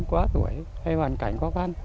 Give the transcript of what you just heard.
quá tuổi hay hoàn cảnh quá khăn